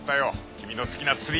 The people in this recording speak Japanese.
キミの好きな釣り